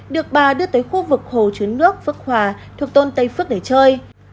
được bà đưa tới khu vực hồ chứa nước phước hòa thuộc tôn tây phước để chơi